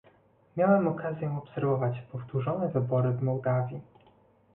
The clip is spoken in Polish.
Miałem okazję obserwować powtórzone wybory w Mołdawii